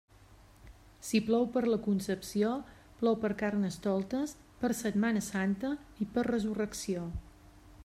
Si plou per la Concepció, plou per Carnestoltes, per Setmana Santa i per Resurrecció.